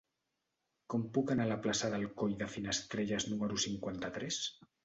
Com puc anar a la plaça del Coll de Finestrelles número cinquanta-tres?